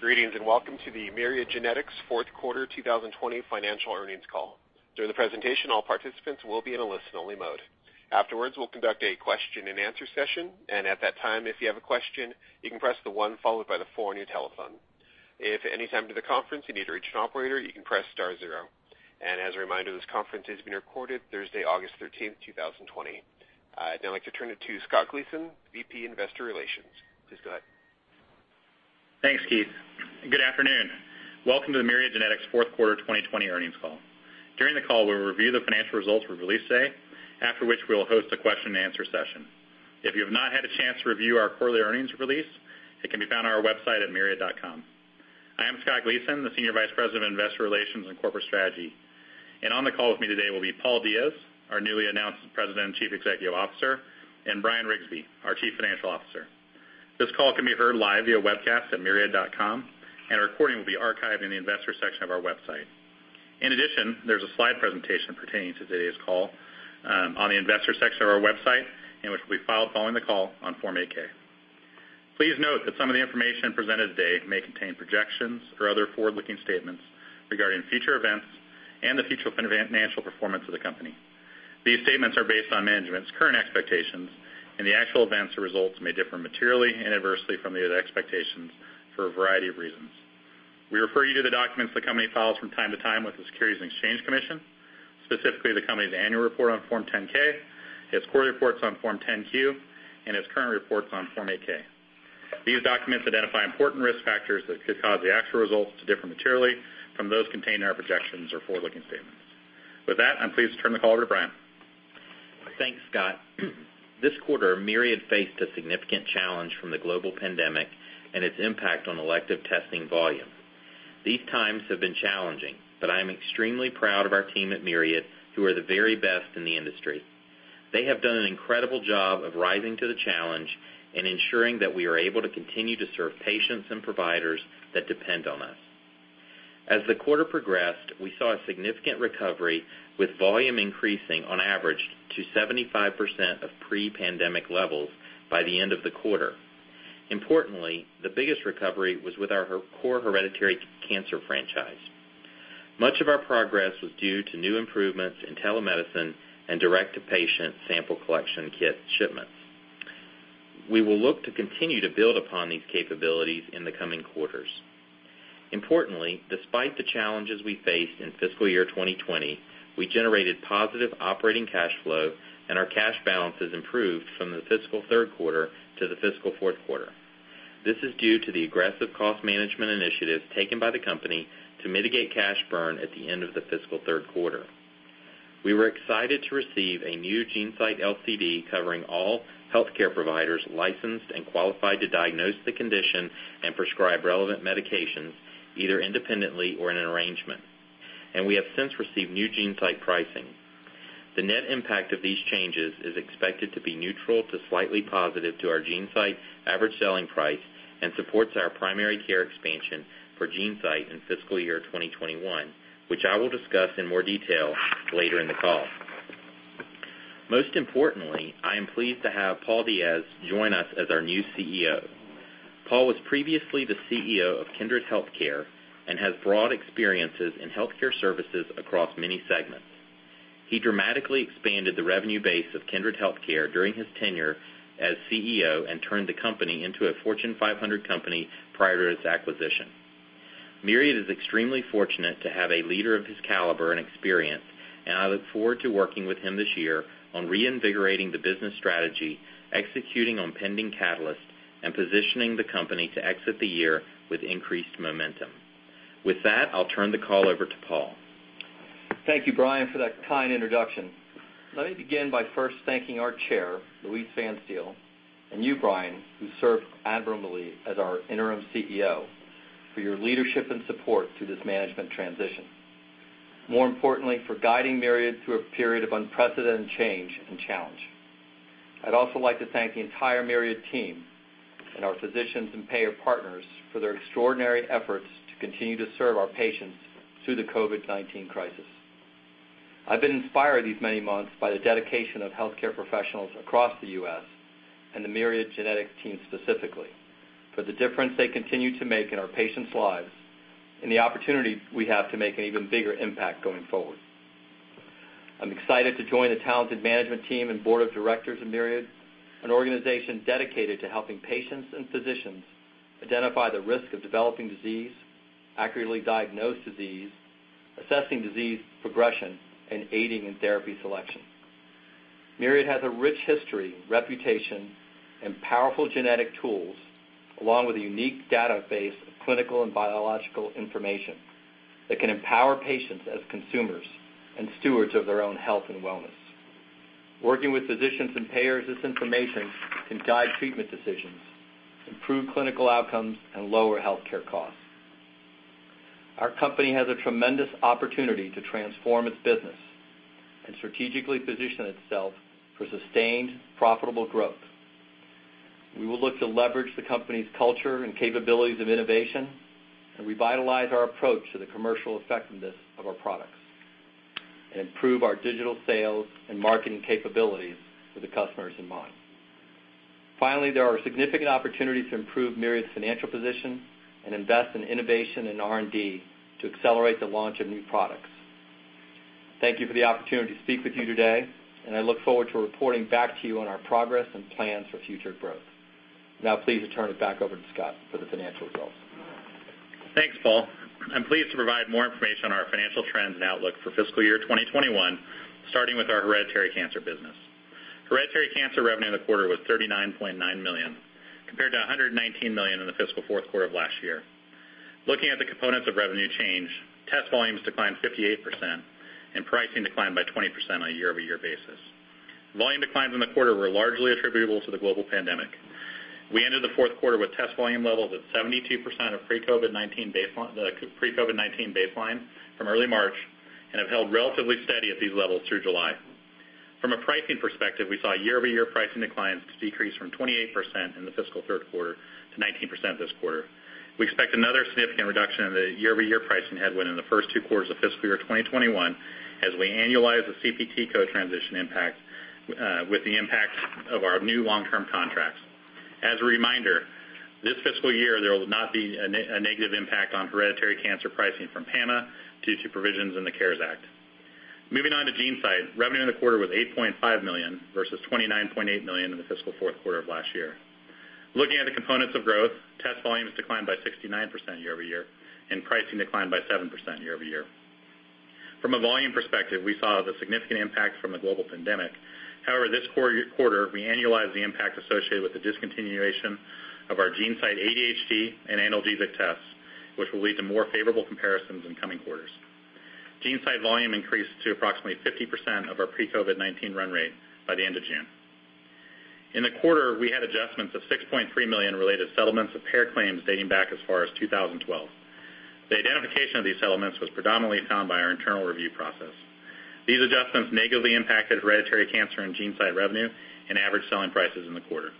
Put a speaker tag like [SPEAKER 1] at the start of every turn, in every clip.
[SPEAKER 1] Greetings. Welcome to the Myriad Genetics fourth quarter 2020 financial earnings call. During the presentation, all participants will be in a listen-only mode. Afterwards, we'll conduct a question and answer session. At that time, if you have a question, you can press the one followed by the four on your telephone. If at any time during the conference you need to reach an operator, you can press star zero. As a reminder, this conference is being recorded Thursday, August 13, 2020. I'd now like to turn it to Scott Gleason, VP investor relations. Please go ahead.
[SPEAKER 2] Thanks, Keith. Good afternoon. Welcome to the Myriad Genetics fourth quarter 2020 earnings call. During the call, we'll review the financial results we released today, after which we will host a question and answer session. If you have not had a chance to review our quarterly earnings release, it can be found on our website at myriad.com. I am Scott Gleason, the Senior Vice President of Investor Relations and Corporate Strategy. On the call with me today will be Paul Diaz, our newly announced President and Chief Executive Officer, and Bryan Riggsbee, our Chief Financial Officer. This call can be heard live via webcast at myriad.com, and a recording will be archived in the investor section of our website. In addition, there's a slide presentation pertaining to today's call on the investor section of our website in which will be filed following the call on Form 8-K. Please note that some of the information presented today may contain projections or other forward-looking statements regarding future events and the future financial performance of the company. These statements are based on management's current expectations, and the actual events or results may differ materially and adversely from the expectations for a variety of reasons. We refer you to the documents the company files from time to time with the Securities and Exchange Commission, specifically the company's annual report on Form 10-K, its quarterly reports on Form 10-Q, and its current reports on Form 8-K. These documents identify important risk factors that could cause the actual results to differ materially from those contained in our projections or forward-looking statements. With that, I'm pleased to turn the call over to Bryan.
[SPEAKER 3] Thanks, Scott. This quarter, Myriad faced a significant challenge from the global pandemic and its impact on elective testing volume. These times have been challenging, but I am extremely proud of our team at Myriad, who are the very best in the industry. They have done an incredible job of rising to the challenge and ensuring that we are able to continue to serve patients and providers that depend on us. As the quarter progressed, we saw a significant recovery, with volume increasing on average to 75% of pre-pandemic levels by the end of the quarter. Importantly, the biggest recovery was with our core hereditary cancer franchise. Much of our progress was due to new improvements in telemedicine and direct-to-patient sample collection kit shipments. We will look to continue to build upon these capabilities in the coming quarters. Importantly, despite the challenges we faced in fiscal year 2020, we generated positive operating cash flow, and our cash balances improved from the fiscal third quarter to the fiscal fourth quarter. This is due to the aggressive cost management initiatives taken by the company to mitigate cash burn at the end of the fiscal third quarter. We were excited to receive a new GeneSight LCD covering all healthcare providers licensed and qualified to diagnose the condition and prescribe relevant medications, either independently or in an arrangement. We have since received new GeneSight pricing. The net impact of these changes is expected to be neutral to slightly positive to our GeneSight average selling price and supports our primary care expansion for GeneSight in fiscal year 2021, which I will discuss in more detail later in the call. Most importantly, I am pleased to have Paul Diaz join us as our new CEO. Paul was previously the CEO of Kindred Healthcare and has broad experiences in healthcare services across many segments. He dramatically expanded the revenue base of Kindred Healthcare during his tenure as CEO and turned the company into a Fortune 500 company prior to its acquisition. Myriad is extremely fortunate to have a leader of his caliber and experience, and I look forward to working with him this year on reinvigorating the business strategy, executing on pending catalysts, and positioning the company to exit the year with increased momentum. With that, I'll turn the call over to Paul.
[SPEAKER 4] Thank you, Bryan, for that kind introduction. Let me begin by first thanking our chair, Louise Phanstiel, and you, Bryan, who served admirably as our interim CEO, for your leadership and support through this management transition. More importantly, for guiding Myriad through a period of unprecedented change and challenge. I'd also like to thank the entire Myriad team and our physicians and payer partners for their extraordinary efforts to continue to serve our patients through the COVID-19 crisis. I've been inspired these many months by the dedication of healthcare professionals across the U.S. and the Myriad Genetics team specifically, for the difference they continue to make in our patients' lives and the opportunity we have to make an even bigger impact going forward. I'm excited to join the talented management team and board of directors of Myriad, an organization dedicated to helping patients and physicians identify the risk of developing disease, accurately diagnose disease, assessing disease progression, and aiding in therapy selection. Myriad has a rich history, reputation, and powerful genetic tools, along with a unique database of clinical and biological information that can empower patients as consumers and stewards of their own health and wellness. Working with physicians and payers, this information can guide treatment decisions, improve clinical outcomes, and lower healthcare costs. Our company has a tremendous opportunity to transform its business and strategically position itself for sustained, profitable growth. We will look to leverage the company's culture and capabilities of innovation and revitalize our approach to the commercial effectiveness of our products. Improve our digital sales and marketing capabilities with the customers in mind. Finally, there are significant opportunities to improve Myriad's financial position and invest in innovation and R&D to accelerate the launch of new products. Thank you for the opportunity to speak with you today, and I look forward to reporting back to you on our progress and plans for future growth. Now, please return it back over to Scott for the financial results.
[SPEAKER 2] Thanks, Paul. I'm pleased to provide more information on our financial trends and outlook for fiscal year 2021, starting with our hereditary cancer business. Hereditary cancer revenue in the quarter was $39.9 million, compared to $119 million in the fiscal fourth quarter of last year. Looking at the components of revenue change, test volumes declined 58% and pricing declined by 20% on a year-over-year basis. Volume declines in the quarter were largely attributable to the global pandemic. We ended the fourth quarter with test volume levels at 72% of the pre-COVID-19 baseline from early March and have held relatively steady at these levels through July. From a pricing perspective, we saw year-over-year pricing declines decrease from 28% in the fiscal third quarter to 19% this quarter. We expect another significant reduction in the year-over-year pricing headwind in the first two quarters of fiscal year 2021, as we annualize the CPT code transition impact with the impact of our new long-term contracts. As a reminder, this fiscal year, there will not be a negative impact on hereditary cancer pricing from PAMA due to provisions in the CARES Act. Moving on to GeneSight, revenue in the quarter was $8.5 million versus $29.8 million in the fiscal fourth quarter of last year. Looking at the components of growth, test volumes declined by 69% year-over-year, and pricing declined by 7% year-over-year. This quarter, we annualized the impact associated with the discontinuation of our GeneSight ADHD and Analgesic tests, which will lead to more favorable comparisons in coming quarters. GeneSight volume increased to approximately 50% of our pre-COVID-19 run rate by the end of June. In the quarter, we had adjustments of $6.3 million related to settlements of payer claims dating back as far as 2012. The identification of these settlements was predominantly found by our internal review process. These adjustments negatively impacted hereditary cancer and GeneSight revenue and average selling prices in the quarter.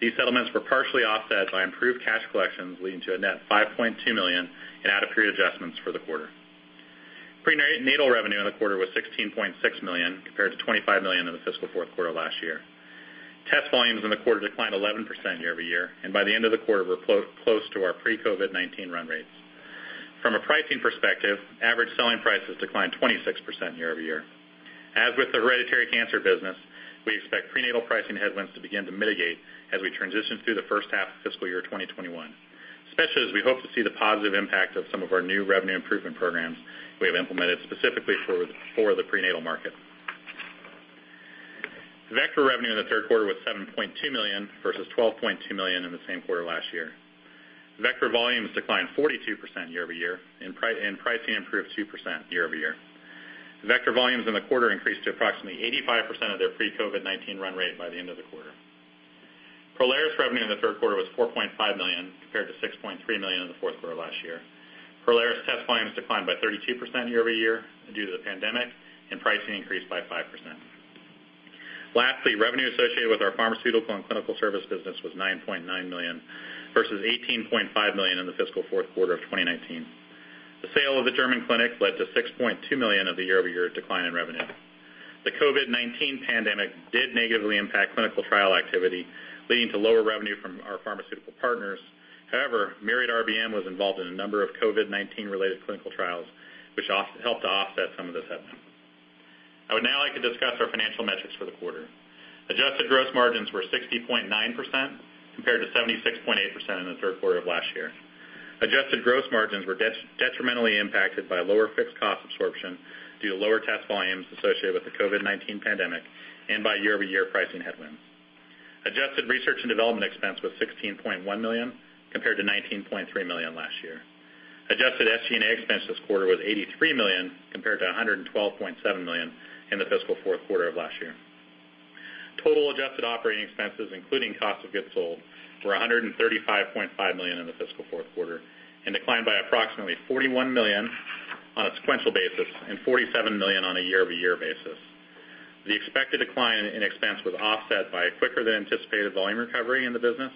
[SPEAKER 2] These settlements were partially offset by improved cash collections, leading to a net $5.2 million in out-of-period adjustments for the quarter. Prenatal revenue in the quarter was $16.6 million compared to $25 million in the fiscal fourth quarter last year. Test volumes in the quarter declined 11% year-over-year, and by the end of the quarter, were close to our pre-COVID-19 run rates. From a pricing perspective, average selling prices declined 26% year-over-year. As with the hereditary cancer business, we expect prenatal pricing headwinds to begin to mitigate as we transition through the first half of fiscal year 2021, especially as we hope to see the positive impact of some of our new revenue improvement programs we have implemented specifically for the prenatal market. Vectra revenue in the third quarter was $7.2 million, versus $12.2 million in the same quarter last year. Vectra volumes declined 42% year-over-year, and pricing improved 2% year-over-year. Vectra volumes in the quarter increased to approximately 85% of their pre-COVID-19 run rate by the end of the quarter. Prolaris revenue in the third quarter was $4.5 million compared to $6.3 million in the fourth quarter last year. Prolaris test volumes declined by 32% year-over-year due to the pandemic, and pricing increased by 5%. Lastly, revenue associated with our pharmaceutical and clinical service business was $9.9 million, versus $18.5 million in the fiscal fourth quarter of 2019. The sale of the German clinic led to $6.2 million of the year-over-year decline in revenue. The COVID-19 pandemic did negatively impact clinical trial activity, leading to lower revenue from our pharmaceutical partners. Myriad RBM was involved in a number of COVID-19 related clinical trials, which helped to offset some of this headwind. I would now like to discuss our financial metrics for the quarter. Adjusted gross margins were 60.9% compared to 76.8% in the third quarter of last year. Adjusted gross margins were detrimentally impacted by lower fixed cost absorption due to lower test volumes associated with the COVID-19 pandemic and by year-over-year pricing headwinds. Adjusted research and development expense was $16.1 million, compared to $19.3 million last year. Adjusted SG&A expense this quarter was $83 million, compared to $112.7 million in the fiscal fourth quarter of last year. Total adjusted operating expenses, including cost of goods sold, were $135.5 million in the fiscal fourth quarter and declined by approximately $41 million on a sequential basis and $47 million on a year-over-year basis. The expected decline in expense was offset by a quicker-than-anticipated volume recovery in the business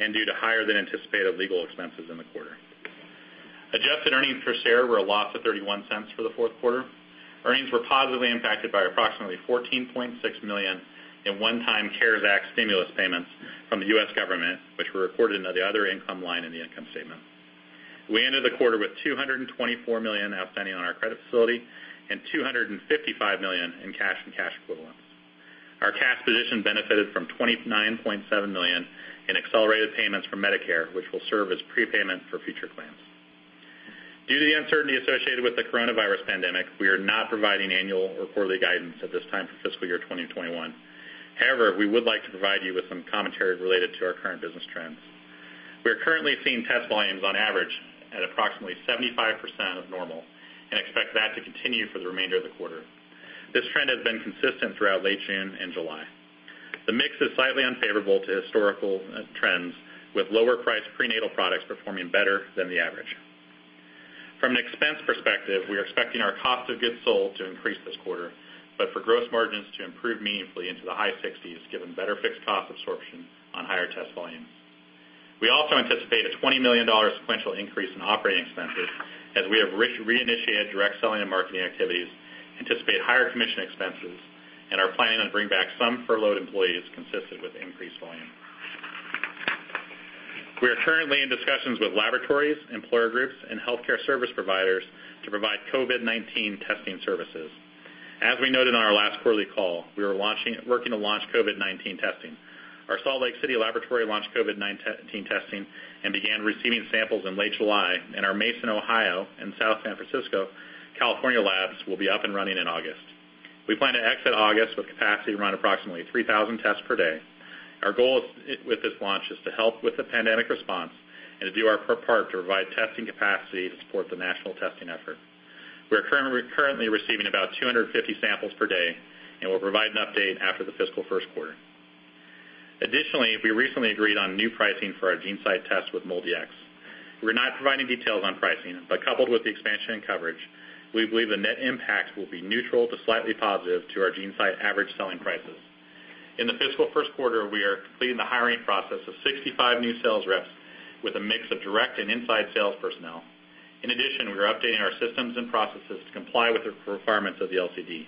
[SPEAKER 2] and due to higher-than-anticipated legal expenses in the quarter. Adjusted earnings per share were a loss of $0.31 for the fourth quarter. Earnings were positively impacted by approximately $14.6 million in one-time CARES Act stimulus payments from the U.S. government, which were recorded under the other income line in the income statement. We ended the quarter with $224 million outstanding on our credit facility and $255 million in cash and cash equivalents. Our cash position benefited from $29.7 million in accelerated payments from Medicare, which will serve as prepayment for future claims. Due to the uncertainty associated with the coronavirus pandemic, we are not providing annual or quarterly guidance at this time for fiscal year 2021. However, we would like to provide you with some commentary related to our current business trends. We are currently seeing test volumes on average at approximately 75% of normal and expect that to continue for the remainder of the quarter. This trend has been consistent throughout late June and July. The mix is slightly unfavorable to historical trends, with lower-priced prenatal products performing better than the average. From an expense perspective, we are expecting our cost of goods sold to increase this quarter, but for gross margins to improve meaningfully into the high 60s, given better fixed cost absorption on higher test volumes. We also anticipate a $20 million sequential increase in operating expenses as we have reinitiated direct selling and marketing activities, anticipate higher commission expenses, and are planning on bringing back some furloughed employees consistent with increased volume. We are currently in discussions with laboratories, employer groups, and healthcare service providers to provide COVID-19 testing services. As we noted on our last quarterly call, we are working to launch COVID-19 testing. Our Salt Lake City laboratory launched COVID-19 testing and began receiving samples in late July, and our Mason, Ohio, and South San Francisco, California labs will be up and running in August. We plan to exit August with capacity around approximately 3,000 tests per day. Our goal with this launch is to help with the pandemic response and to do our part to provide testing capacity to support the national testing effort. We are currently receiving about 250 samples per day, and we'll provide an update after the fiscal first quarter. Additionally, we recently agreed on new pricing for our GeneSight test with MolDX. Coupled with the expansion in coverage, we believe the net impact will be neutral to slightly positive to our GeneSight average selling prices. In the fiscal first quarter, we are completing the hiring process of 65 new sales reps with a mix of direct and inside sales personnel. In addition, we are updating our systems and processes to comply with the requirements of the LCD.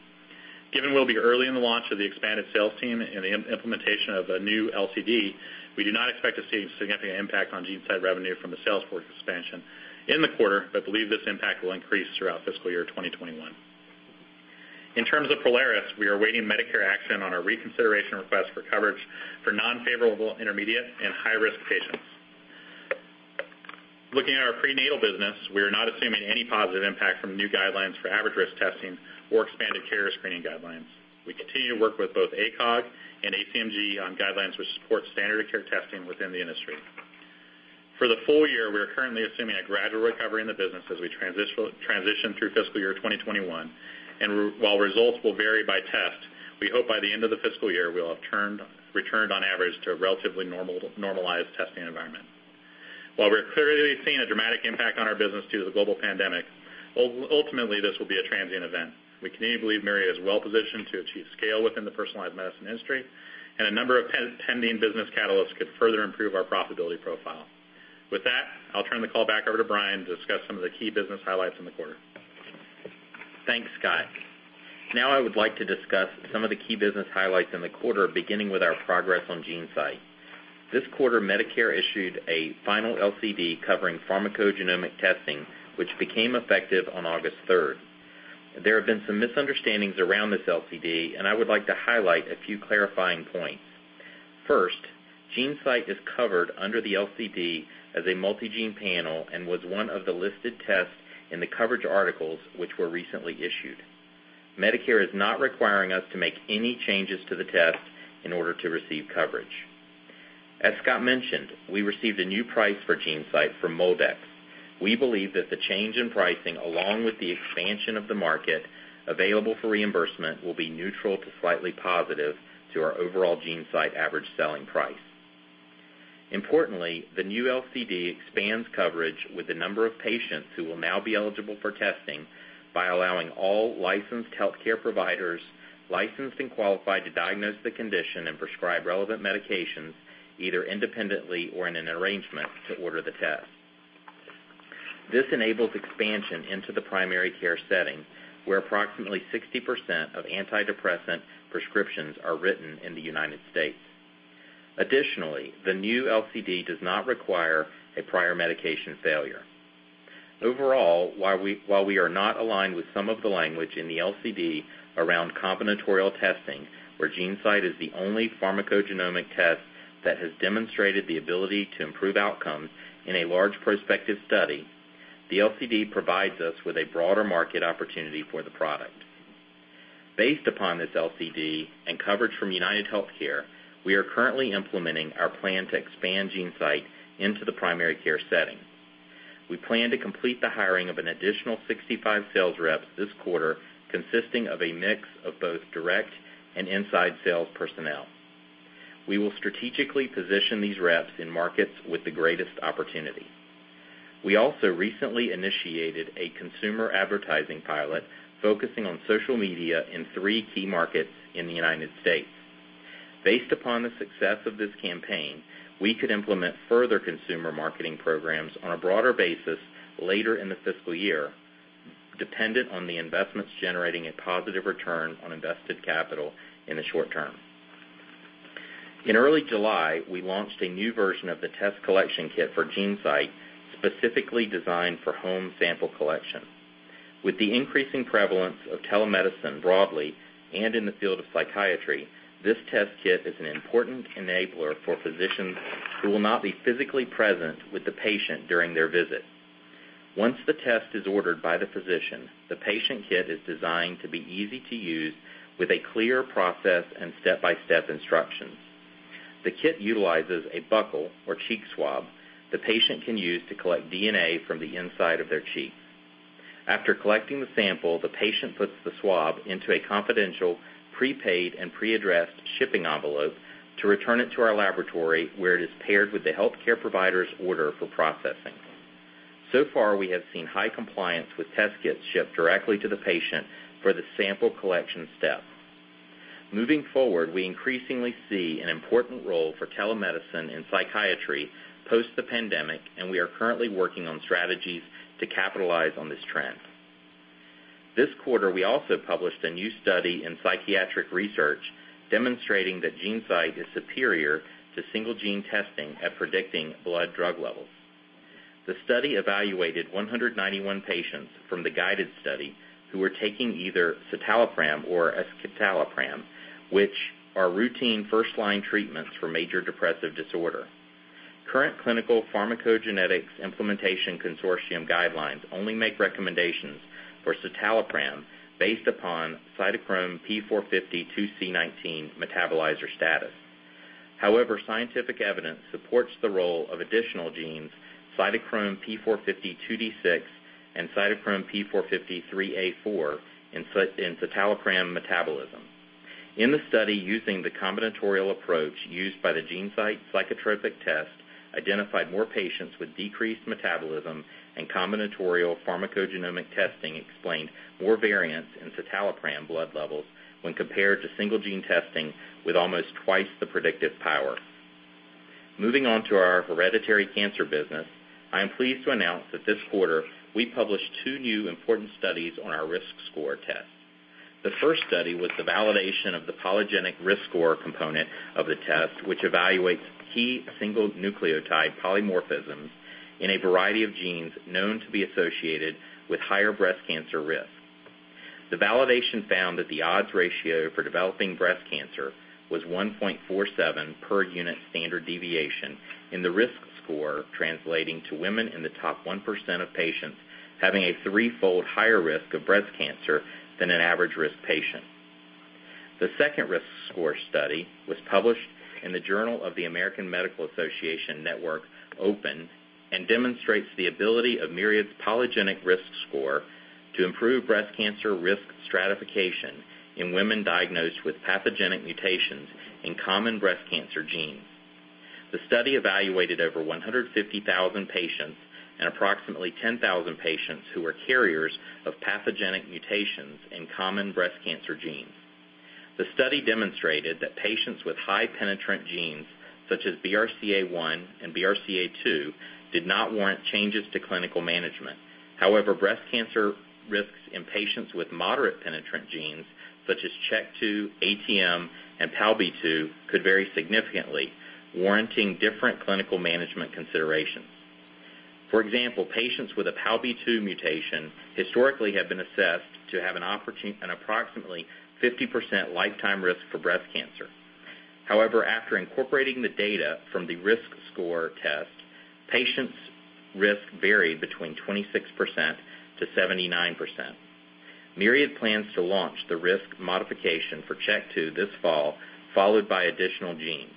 [SPEAKER 2] Given we'll be early in the launch of the expanded sales team and the implementation of a new LCD, we do not expect to see a significant impact on GeneSight revenue from the sales force expansion in the quarter, but believe this impact will increase throughout fiscal year 2021. In terms of Prolaris, we are awaiting Medicare action on our reconsideration request for coverage for non-favorable intermediate and high-risk patients. Looking at our prenatal business, we are not assuming any positive impact from new guidelines for average risk testing or expanded carrier screening guidelines. We continue to work with both ACOG and ACMG on guidelines which support standard of care testing within the industry. For the full year, we are currently assuming a gradual recovery in the business as we transition through fiscal year 2021. While results will vary by test, we hope by the end of the fiscal year, we'll have returned on average to a relatively normalized testing environment. While we're clearly seeing a dramatic impact on our business due to the global pandemic, ultimately, this will be a transient event. We continue to believe Myriad is well-positioned to achieve scale within the personalized medicine industry, and a number of pending business catalysts could further improve our profitability profile. With that, I'll turn the call back over to Bryan to discuss some of the key business highlights in the quarter.
[SPEAKER 3] Thanks, Scott. Now, I would like to discuss some of the key business highlights in the quarter, beginning with our progress on GeneSight. This quarter, Medicare issued a final LCD covering pharmacogenomic testing, which became effective on August 3rd. There have been some misunderstandings around this LCD, and I would like to highlight a few clarifying points. First, GeneSight is covered under the LCD as a multigene panel and was one of the listed tests in the coverage articles, which were recently issued. Medicare is not requiring us to make any changes to the test in order to receive coverage. As Scott mentioned, we received a new price for GeneSight from MolDX. We believe that the change in pricing, along with the expansion of the market available for reimbursement, will be neutral to slightly positive to our overall GeneSight average selling price. Importantly, the new LCD expands coverage with the number of patients who will now be eligible for testing by allowing all licensed healthcare providers licensed and qualified to diagnose the condition and prescribe relevant medications either independently or in an arrangement to order the test. This enables expansion into the primary care setting, where approximately 60% of antidepressant prescriptions are written in the United States. Additionally, the new LCD does not require a prior medication failure. Overall, while we are not aligned with some of the language in the LCD around combinatorial testing, where GeneSight is the only pharmacogenomic test that has demonstrated the ability to improve outcomes in a large prospective study, the LCD provides us with a broader market opportunity for the product. Based upon this LCD and coverage from UnitedHealthcare, we are currently implementing our plan to expand GeneSight into the primary care setting. We plan to complete the hiring of an additional 65 sales reps this quarter, consisting of a mix of both direct and inside sales personnel. We will strategically position these reps in markets with the greatest opportunity. We also recently initiated a consumer advertising pilot focusing on social media in three key markets in the United States. Based upon the success of this campaign, we could implement further consumer marketing programs on a broader basis later in the fiscal year, dependent on the investments generating a positive return on invested capital in the short term. In early July, we launched a new version of the test collection kit for GeneSight, specifically designed for home sample collection. With the increasing prevalence of telemedicine broadly and in the field of psychiatry, this test kit is an important enabler for physicians who will not be physically present with the patient during their visit. Once the test is ordered by the physician, the patient kit is designed to be easy to use with a clear process and step-by-step instructions. The kit utilizes a buccal or cheek swab the patient can use to collect DNA from the inside of their cheek. After collecting the sample, the patient puts the swab into a confidential, prepaid, and pre-addressed shipping envelope to return it to our laboratory, where it is paired with the healthcare provider's order for processing. So far, we have seen high compliance with test kits shipped directly to the patient for the sample collection step. Moving forward, we increasingly see an important role for telemedicine in psychiatry post the pandemic, and we are currently working on strategies to capitalize on this trend. This quarter, we also published a new study in psychiatric research demonstrating that GeneSight is superior to single gene testing at predicting blood drug levels. The study evaluated 191 patients from the GUIDED study who were taking either citalopram or escitalopram, which are routine first-line treatments for major depressive disorder. Current Clinical Pharmacogenetics Implementation Consortium guidelines only make recommendations for citalopram based upon cytochrome P450 2C19 metabolizer status. However, scientific evidence supports the role of additional genes, cytochrome P450 2D6 and cytochrome P450 3A4 in citalopram metabolism. In the study using the combinatorial approach used by the GeneSight Psychotropic test identified more patients with decreased metabolism and combinatorial pharmacogenomic testing explained more variance in citalopram blood levels when compared to single gene testing with almost twice the predictive power. Moving on to our hereditary cancer business, I am pleased to announce that this quarter, we published two new important studies on our risk score test. The first study was the validation of the polygenic risk score component of the test, which evaluates key single nucleotide polymorphisms in a variety of genes known to be associated with higher breast cancer risk. The validation found that the odds ratio for developing breast cancer was 1.47 per unit standard deviation in the risk score, translating to women in the top 1% of patients having a threefold higher risk of breast cancer than an average-risk patient. The second risk score study was published in the JAMA Network Open and demonstrates the ability of Myriad's polygenic risk score to improve breast cancer risk stratification in women diagnosed with pathogenic mutations in common breast cancer genes. The study evaluated over 150,000 patients and approximately 10,000 patients who were carriers of pathogenic mutations in common breast cancer genes. The study demonstrated that patients with high penetrant genes such as BRCA1 and BRCA2 did not warrant changes to clinical management. However, breast cancer risks in patients with moderate penetrant genes such as CHEK2, ATM, and PALB2 could vary significantly, warranting different clinical management considerations. For example, patients with a PALB2 mutation historically have been assessed to have an approximately 50% lifetime risk for breast cancer. However, after incorporating the data from the risk score test, patients' risk varied between 26%-79%. Myriad plans to launch the risk modification for CHEK2 this fall, followed by additional genes.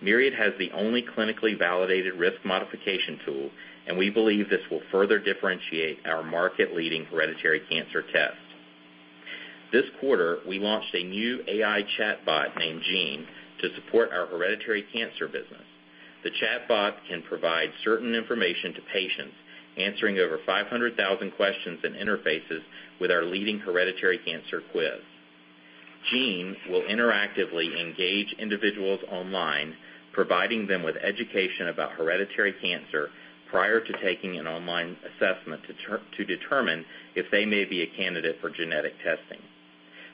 [SPEAKER 3] Myriad has the only clinically validated risk modification tool, and we believe this will further differentiate our market leading hereditary cancer test. This quarter, we launched a new AI chatbot named Gene to support our hereditary cancer business. The chatbot can provide certain information to patients, answering over 500,000 questions and interfaces with our leading hereditary cancer quiz. Gene will interactively engage individuals online, providing them with education about hereditary cancer prior to taking an online assessment to determine if they may be a candidate for genetic testing.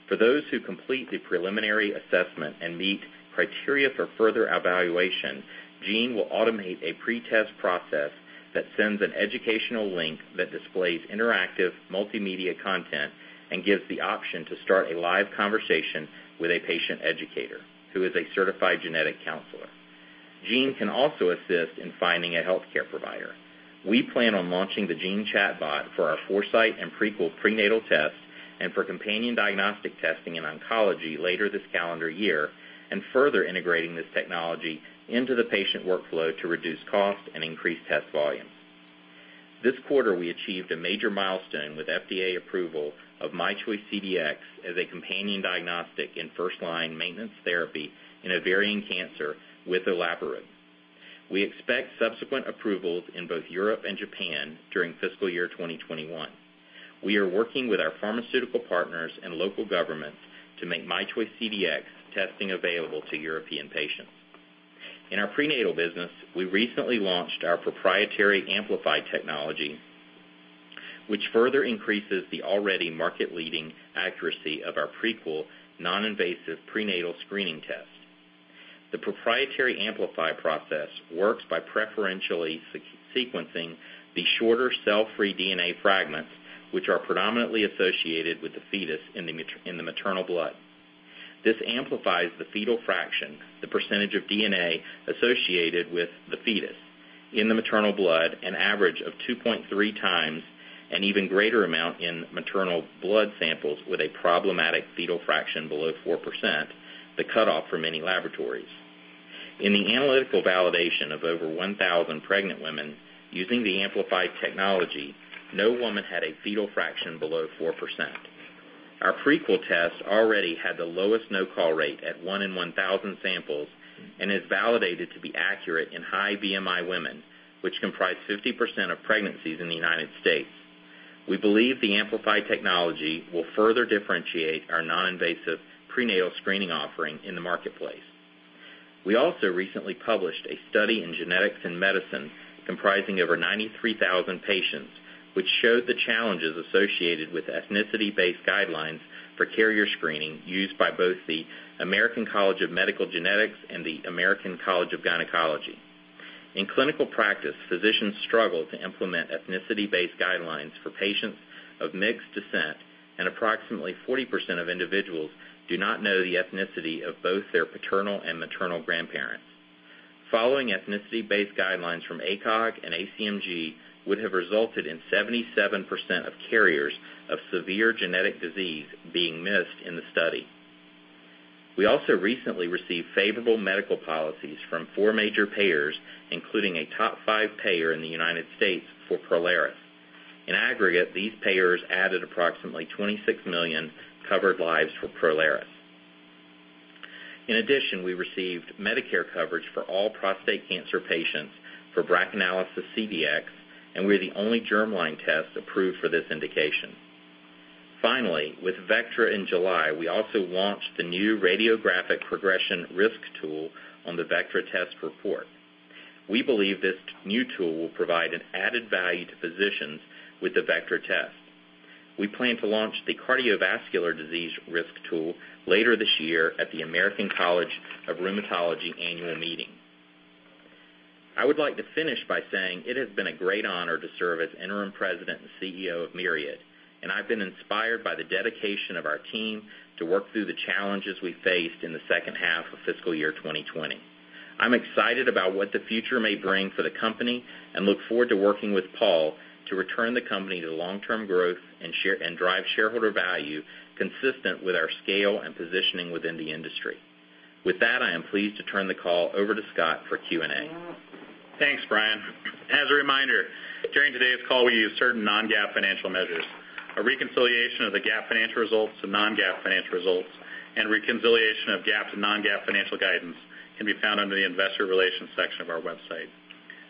[SPEAKER 3] For those who complete the preliminary assessment and meet criteria for further evaluation, Gene will automate a pretest process that sends an educational link that displays interactive multimedia content and gives the option to start a live conversation with a patient educator who is a certified genetic counselor. Gene can also assist in finding a healthcare provider. We plan on launching the Gene chatbot for our Foresight and Prequel prenatal tests and for companion diagnostic testing in oncology later this calendar year and further integrating this technology into the patient workflow to reduce cost and increase test volume. This quarter, we achieved a major milestone with FDA approval of MyChoice CDx as a companion diagnostic in first-line maintenance therapy in ovarian cancer with olaparib. We expect subsequent approvals in both Europe and Japan during fiscal year 2021. We are working with our pharmaceutical partners and local governments to make MyChoice CDx testing available to European patients. In our prenatal business, we recently launched our proprietary AMPLIFY technology, which further increases the already market leading accuracy of our Prequel non-invasive prenatal screening test. The proprietary AMPLIFY process works by preferentially sequencing the shorter cell-free DNA fragments, which are predominantly associated with the fetus in the maternal blood. This AMPLIFY technology amplifies the fetal fraction, the percentage of DNA associated with the fetus in the maternal blood, an average of 2.3 times, an even greater amount in maternal blood samples with a problematic fetal fraction below 4%, the cutoff for many laboratories. In the analytical validation of over 1,000 pregnant women using the AMPLIFY technology, no woman had a fetal fraction below 4%. Our Prequel test already had the lowest no-call rate at one in 1,000 samples and is validated to be accurate in high BMI women, which comprise 50% of pregnancies in the U.S. We believe the AMPLIFY technology will further differentiate our non-invasive prenatal screening offering in the marketplace. We also recently published a study in Genetics and Medicine comprising over 93,000 patients, which showed the challenges associated with ethnicity-based guidelines for carrier screening used by both the American College of Medical Genetics and the American College of Gynecology. In clinical practice, physicians struggle to implement ethnicity-based guidelines for patients of mixed descent, and approximately 40% of individuals do not know the ethnicity of both their paternal and maternal grandparents. Following ethnicity-based guidelines from ACOG and ACMG would have resulted in 77% of carriers of severe genetic disease being missed in the study. We also recently received favorable medical policies from four major payers, including a top five payer in the U.S. for Prolaris. In aggregate, these payers added approximately 26 million covered lives for Prolaris. In addition, we received Medicare coverage for all prostate cancer patients for BRACAnalysis CDx, and we're the only germline test approved for this indication. Finally, with Vectra in July, we also launched the new radiographic progression risk tool on the Vectra test report. We believe this new tool will provide an added value to physicians with the Vectra test. We plan to launch the cardiovascular disease risk tool later this year at the American College of Rheumatology annual meeting. I would like to finish by saying it has been a great honor to serve as interim president and CEO of Myriad, and I've been inspired by the dedication of our team to work through the challenges we faced in the second half of fiscal year 2020. I'm excited about what the future may bring for the company and look forward to working with Paul to return the company to long-term growth and drive shareholder value consistent with our scale and positioning within the industry. With that, I am pleased to turn the call over to Scott for Q&A.
[SPEAKER 2] Thanks, Bryan. As a reminder, during today's call, we use certain non-GAAP financial measures. A reconciliation of the GAAP financial results to non-GAAP financial results, and reconciliation of GAAP to non-GAAP financial guidance can be found under the Investor Relations section of our website.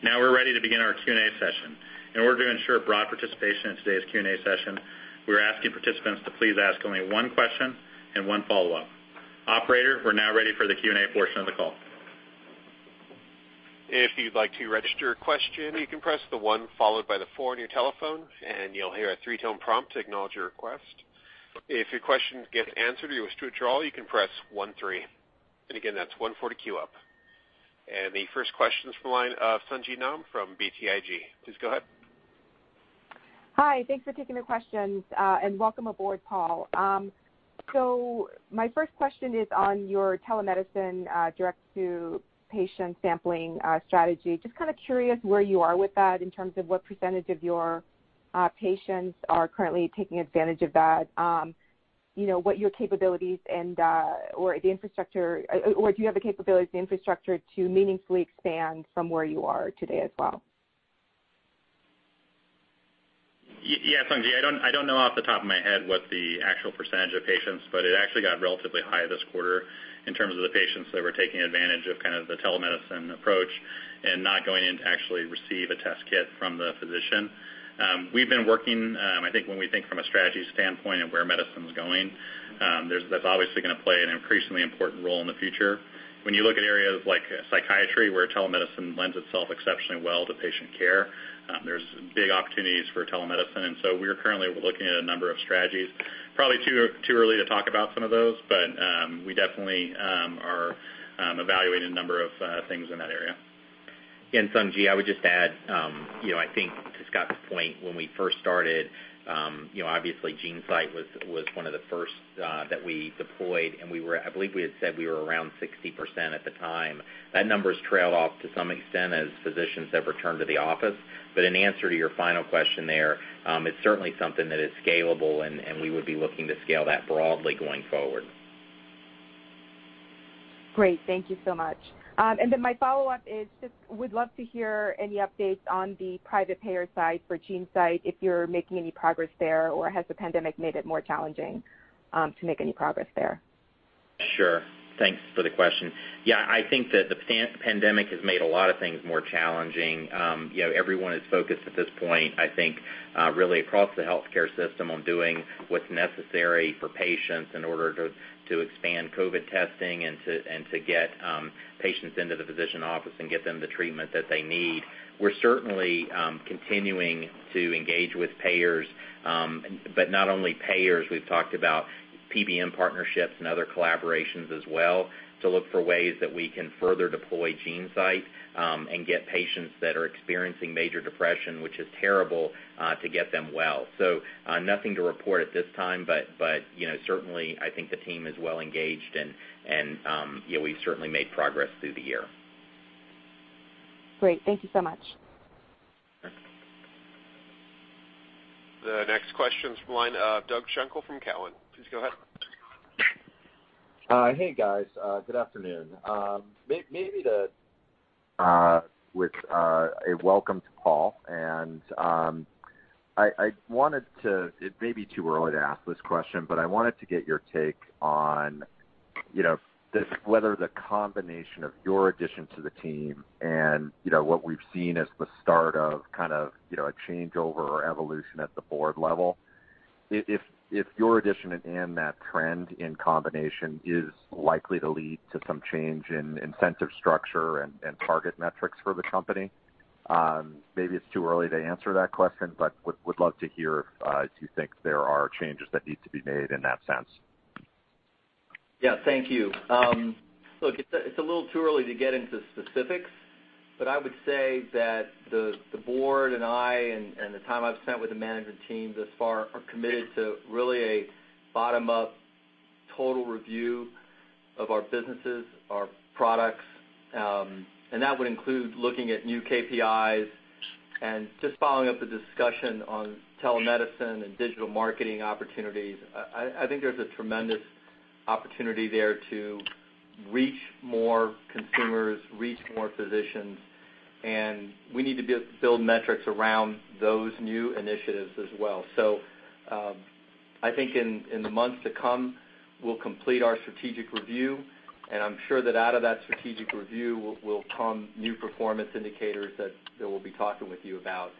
[SPEAKER 2] We're ready to begin our Q&A session. In order to ensure broad participation in today's Q&A session, we're asking participants to please ask only one question and one follow-up. Operator, we're ready for the Q&A portion of the call.
[SPEAKER 1] If you'd like to register a question, you can press the one followed by the four on your telephone, and you'll hear a three-tone prompt to acknowledge your request. If your question gets answered or you wish to withdraw, you can press one, three. Again, that's one, four to queue up. The first question's from the line of Sung Ji Nam from BTIG. Please go ahead.
[SPEAKER 5] Hi. Thanks for taking the questions, welcome aboard, Paul. My first question is on your telemedicine direct-to-patient sampling strategy. Just kind of curious where you are with that in terms of what percentage of your patients are currently taking advantage of that. Do you have the capabilities, the infrastructure, to meaningfully expand from where you are today as well?
[SPEAKER 2] Yeah, Sung Ji. I don't know off the top of my head what the actual percentage of patients, but it actually got relatively high this quarter in terms of the patients that were taking advantage of the telemedicine approach and not going in to actually receive a test kit from the physician. We've been working, I think when we think from a strategy standpoint of where medicine's going, that's obviously going to play an increasingly important role in the future. When you look at areas like psychiatry, where telemedicine lends itself exceptionally well to patient care, there's big opportunities for telemedicine. We are currently looking at a number of strategies. Probably too early to talk about some of those. We definitely are evaluating a number of things in that area.
[SPEAKER 3] Sung Ji, I would just add, I think to Scott's point, when we first started, obviously GeneSight was one of the first that we deployed, and I believe we had said we were around 60% at the time. That number's trailed off to some extent as physicians have returned to the office. In answer to your final question there, it's certainly something that is scalable, and we would be looking to scale that broadly going forward.
[SPEAKER 5] Great. Thank you so much. Then my follow-up is just would love to hear any updates on the private payer side for GeneSight, if you're making any progress there, or has the pandemic made it more challenging to make any progress there?
[SPEAKER 3] Sure. Thanks for the question. Yeah, I think that the pandemic has made a lot of things more challenging. Everyone is focused at this point, I think really across the healthcare system on doing what's necessary for patients in order to expand COVID testing and to get patients into the physician office and get them the treatment that they need. We're certainly continuing to engage with payers. Not only payers, we've talked about PBM partnerships and other collaborations as well to look for ways that we can further deploy GeneSight, and get patients that are experiencing major depression, which is terrible, to get them well. Nothing to report at this time, but certainly I think the team is well engaged and we've certainly made progress through the year.
[SPEAKER 5] Great. Thank you so much.
[SPEAKER 3] Sure.
[SPEAKER 1] The next question's from the line of Doug Schenkel from Cowen. Please go ahead.
[SPEAKER 6] Hey, guys. Good afternoon. Maybe with a welcome to Paul, and it may be too early to ask this question, but I wanted to get your take on whether the combination of your addition to the team and what we've seen as the start of a changeover or evolution at the board level, if your addition and that trend in combination is likely to lead to some change in incentive structure and target metrics for the company. Maybe it's too early to answer that question, but would love to hear if you think there are changes that need to be made in that sense.
[SPEAKER 4] Yeah. Thank you. Look, it's a little too early to get into specifics, but I would say that the board and I, and the time I've spent with the management team thus far, are committed to really a bottom-up total review of our businesses, our products. That would include looking at new KPIs and just following up the discussion on telemedicine and digital marketing opportunities. I think there's a tremendous opportunity there to reach more consumers, reach more physicians, and we need to be able to build metrics around those new initiatives as well. I think in the months to come, we'll complete our strategic review, and I'm sure that out of that strategic review will come new performance indicators that we'll be talking with you about.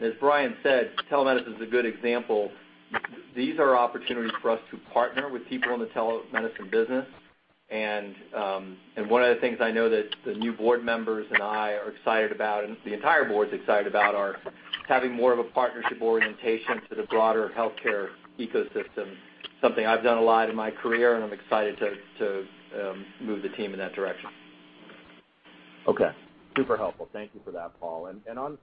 [SPEAKER 4] As Bryan said, telemedicine is a good example. These are opportunities for us to partner with people in the telemedicine business, and one of the things I know that the new board members and I are excited about, and the entire board's excited about, are having more of a partnership orientation to the broader healthcare ecosystem. Something I've done a lot in my career, and I'm excited to move the team in that direction.
[SPEAKER 6] Okay. Super helpful. Thank you for that, Paul. On,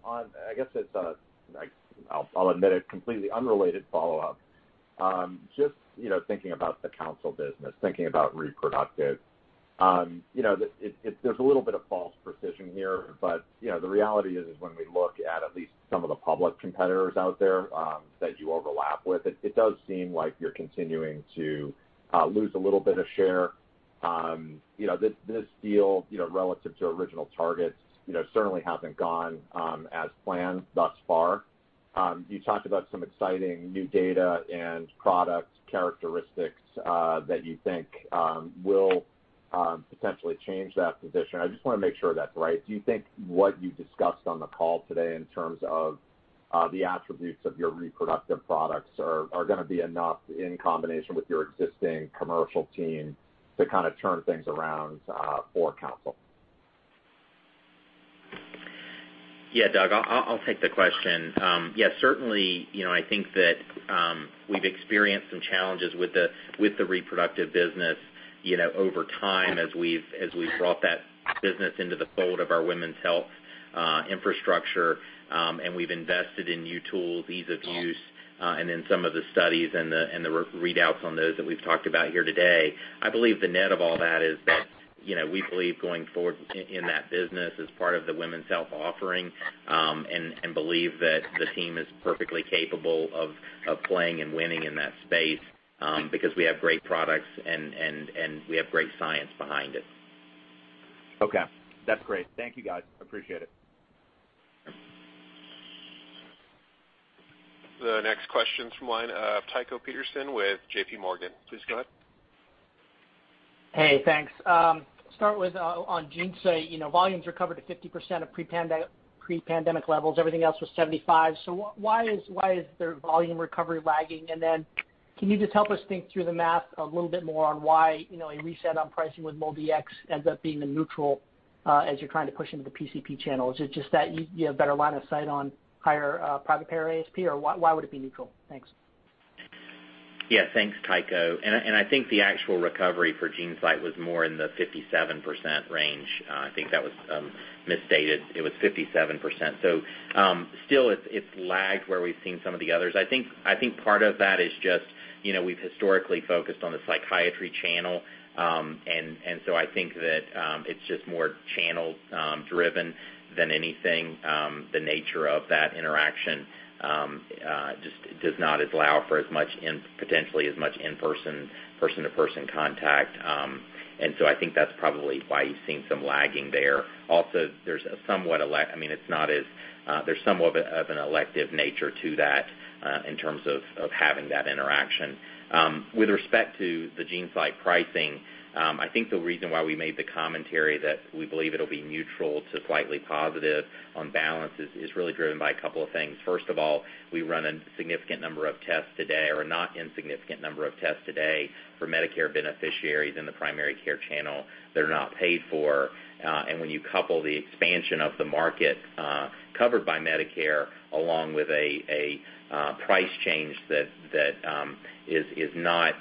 [SPEAKER 6] I'll admit it, completely unrelated follow-up. Just thinking about the Counsyl business, thinking about reproductive. There's a little bit of false precision here, but the reality is when we look at at least some of the public competitors out there that you overlap with, it does seem like you're continuing to lose a little bit of share. This deal, relative to original targets, certainly hasn't gone as planned thus far. You talked about some exciting new data and product characteristics that you think will potentially change that position. I just want to make sure that's right. Do you think what you discussed on the call today in terms of the attributes of your reproductive products are going to be enough in combination with your existing commercial team to turn things around for Counsyl?
[SPEAKER 3] Yeah, Doug, I'll take the question. Yeah, certainly, I think that we've experienced some challenges with the reproductive business over time as we've brought that business into the fold of our women's health infrastructure, and we've invested in new tools, ease of use, and in some of the studies and the readouts on those that we've talked about here today. I believe the net of all that is that we believe going forward in that business as part of the women's health offering, and believe that the team is perfectly capable of playing and winning in that space, because we have great products and we have great science behind it.
[SPEAKER 6] Okay. That's great. Thank you, guys. Appreciate it.
[SPEAKER 1] The next question's from the line of Tycho Peterson with JPMorgan. Please go ahead.
[SPEAKER 7] Hey, thanks. Start with on GeneSight. Volumes recovered to 50% of pre-pandemic levels. Everything else was 75. Why is their volume recovery lagging? Can you just help us think through the math a little bit more on why a reset on pricing with MolDX ends up being a neutral as you're trying to push into the PCP channel. Is it just that you have better line of sight on higher private payer ASP, or why would it be neutral? Thanks.
[SPEAKER 3] Yeah, thanks, Tycho. I think the actual recovery for GeneSight was more in the 57% range. I think that was misstated. It was 57%. Still, it's lagged where we've seen some of the others. I think part of that is just we've historically focused on the psychiatry channel, I think that it's just more channel-driven than anything. The nature of that interaction just does not allow for as much, potentially as much in-person, person-to-person contact. I think that's probably why you've seen some lagging there. Also, there's somewhat of an elective nature to that in terms of having that interaction. With respect to the GeneSight pricing, I think the reason why we made the commentary that we believe it'll be neutral to slightly positive on balance is really driven by a couple of things. First of all, we run a significant number of tests today or a not insignificant number of tests today for Medicare beneficiaries in the primary care channel that are not paid for. When you couple the expansion of the market covered by Medicare, along with a price change that is not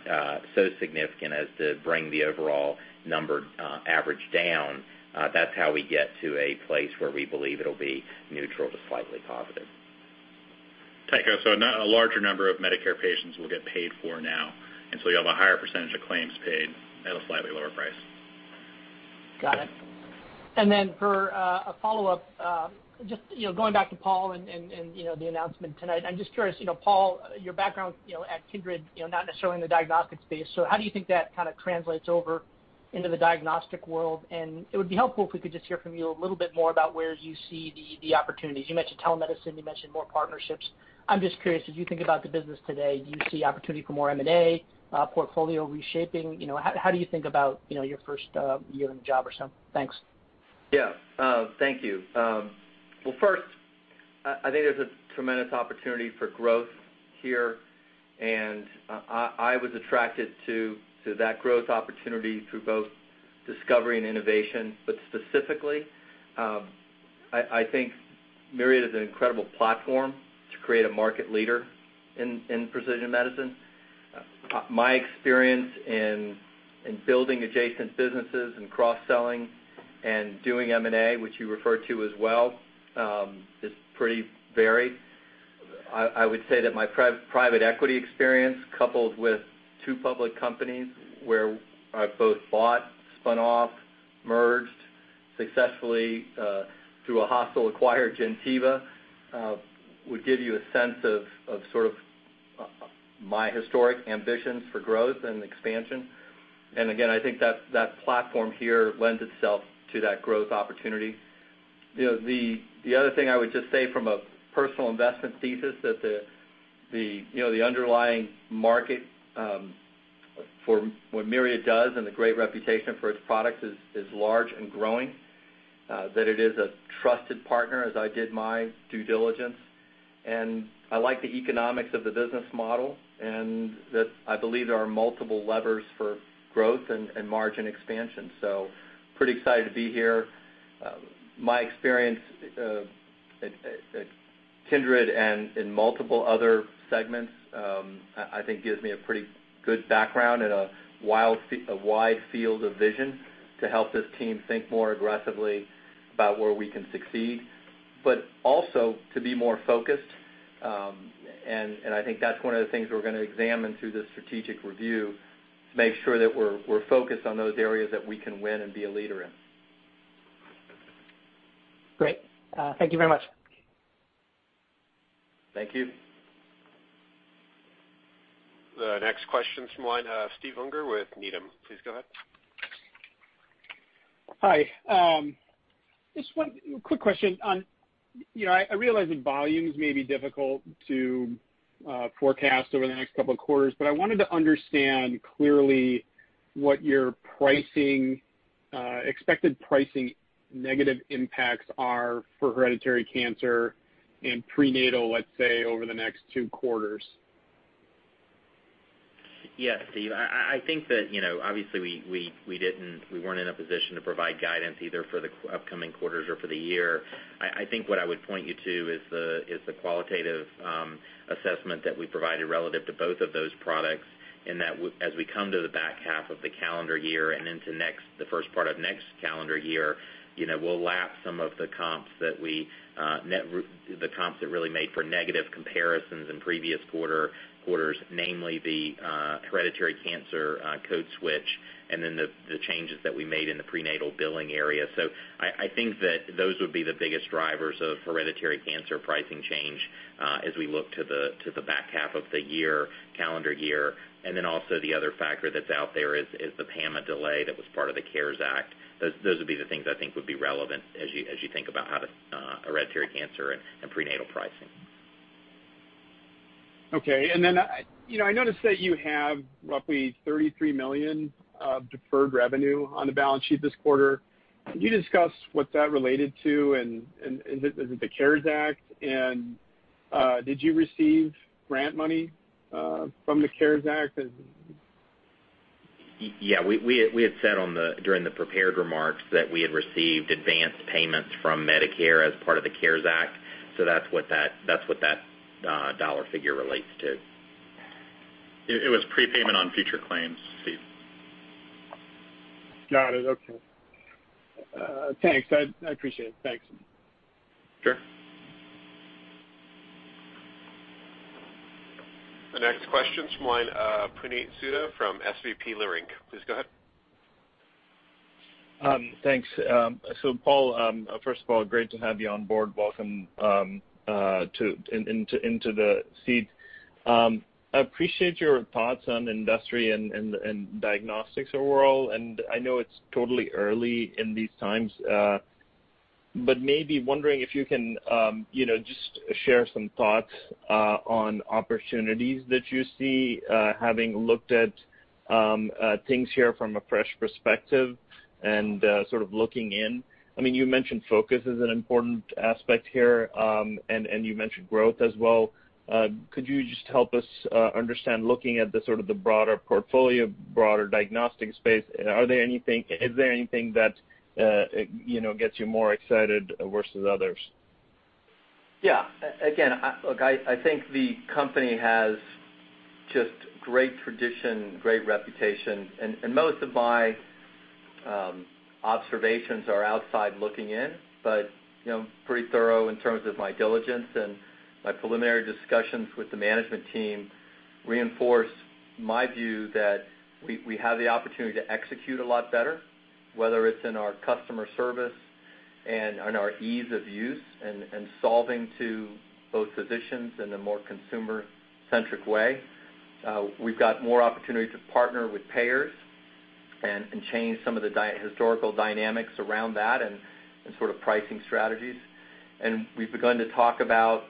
[SPEAKER 3] so significant as to bring the overall number average down, that's how we get to a place where we believe it'll be neutral to slightly positive.
[SPEAKER 2] Tycho, a larger number of Medicare patients will get paid for now, and so you have a higher percentage of claims paid at a slightly lower price.
[SPEAKER 7] Got it. For a follow-up, just going back to Paul and the announcement tonight, I'm just curious, Paul, your background at Kindred, not necessarily in the diagnostics space, how do you think that translates over? into the diagnostic world, and it would be helpful if we could just hear from you a little bit more about where you see the opportunities. You mentioned telemedicine, you mentioned more partnerships. I'm just curious, as you think about the business today, do you see opportunity for more M&A, portfolio reshaping? How do you think about your first year on the job or so? Thanks.
[SPEAKER 4] Yeah. Thank you. First, I think there's a tremendous opportunity for growth here, and I was attracted to that growth opportunity through both discovery and innovation. Specifically, I think Myriad is an incredible platform to create a market leader in precision medicine. My experience in building adjacent businesses and cross-selling and doing M&A, which you refer to as well, is pretty varied. I would say that my private equity experience, coupled with two public companies where I've both bought, spun off, merged successfully through a hostile acquire, Gentiva would give you a sense of sort of my historic ambitions for growth and expansion. Again, I think that platform here lends itself to that growth opportunity. The other thing I would just say from a personal investment thesis, that the underlying market for what Myriad does and the great reputation for its products is large and growing, that it is a trusted partner as I did my due diligence. I like the economics of the business model, I believe there are multiple levers for growth and margin expansion. Pretty excited to be here. My experience at Kindred and in multiple other segments, I think gives me a pretty good background and a wide field of vision to help this team think more aggressively about where we can succeed, but also to be more focused. I think that's one of the things we're going to examine through this strategic review to make sure that we're focused on those areas that we can win and be a leader in.
[SPEAKER 7] Great. Thank you very much.
[SPEAKER 4] Thank you.
[SPEAKER 1] The next question's from line, Stephen Unger with Needham. Please go ahead.
[SPEAKER 8] Hi. Just one quick question on, I realize that volumes may be difficult to forecast over the next couple of quarters, but I wanted to understand clearly what your expected pricing negative impacts are for hereditary cancer and prenatal, let's say, over the next two quarters?
[SPEAKER 2] Yeah, Stephen. I think that, obviously we weren't in a position to provide guidance either for the upcoming quarters or for the year. I think what I would point you to is the qualitative assessment that we provided relative to both of those products. As we come to the back half of the calendar year and into the first part of next calendar year, we'll lap some of the comps that really made for negative comparisons in previous quarters, namely the hereditary cancer code switch, and then the changes that we made in the prenatal billing area. I think that those would be the biggest drivers of hereditary cancer pricing change, as we look to the back half of the year, calendar year. Also, the other factor that's out there is the PAMA delay that was part of the CARES Act. Those would be the things I think would be relevant as you think about hereditary cancer and prenatal pricing.
[SPEAKER 8] Okay. I noticed that you have roughly $33 million of deferred revenue on the balance sheet this quarter. Could you discuss what's that related to, and is it the CARES Act? Did you receive grant money from the CARES Act?
[SPEAKER 2] Yeah. We had said during the prepared remarks that we had received advanced payments from Medicare as part of the CARES Act, so that's what that dollar figure relates to. It was prepayment on future claims, Steve.
[SPEAKER 8] Got it. Okay. Thanks. I appreciate it. Thanks.
[SPEAKER 1] Sure. The next question's from line, Puneet Souda from SVB Leerink. Please go ahead.
[SPEAKER 9] Thanks. Paul, first of all, great to have you on board. Welcome into the seat. I appreciate your thoughts on industry and diagnostics overall. I know it's totally early in these times, maybe wondering if you can just share some thoughts on opportunities that you see, having looked at things here from a fresh perspective and sort of looking in. You mentioned focus is an important aspect here. You mentioned growth as well. Could you just help us understand, looking at the sort of the broader portfolio, broader diagnostic space, is there anything that gets you more excited versus others?
[SPEAKER 4] Yeah. Again, look, I think the company has just great tradition, great reputation, and most of my observations are outside looking in, but pretty thorough in terms of my diligence and my preliminary discussions with the management team reinforce my view that we have the opportunity to execute a lot better, whether it's in our customer service and on our ease of use and solving to both physicians in a more consumer-centric way. We've got more opportunity to partner with payers and change some of the historical dynamics around that and sort of pricing strategies. We've begun to talk about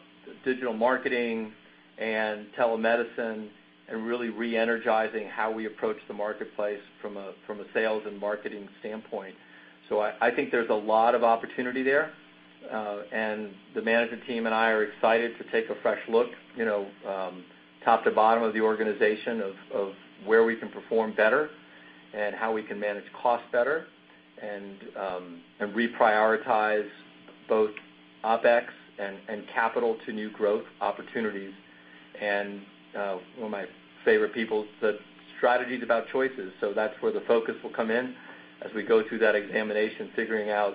[SPEAKER 4] digital marketing and telemedicine and really re-energizing how we approach the marketplace from a sales and marketing standpoint. I think there's a lot of opportunity there. The management team and I are excited to take a fresh look top to bottom of the organization of where we can perform better and how we can manage costs better and reprioritize both OPEX and capital to new growth opportunities. One of my favorite people said, "Strategy's about choices." That's where the focus will come in as we go through that examination, figuring out